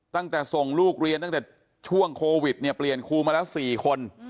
ตั้งแต่ส่งลูกเรียนตั้งแต่ช่วงโควิดเนี่ยเปลี่ยนครูมาแล้ว๔คน